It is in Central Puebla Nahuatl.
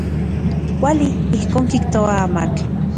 Kuali, ijkon kijtoa amatl.